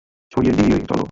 ছড়িয়ে দিই চলো।